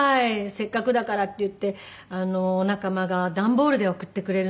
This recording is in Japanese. せっかくだからっていってお仲間が段ボールで送ってくれるんですね。